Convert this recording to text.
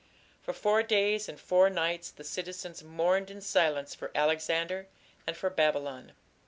For four days and four nights the citizens mourned in silence for Alexander and for Babylon.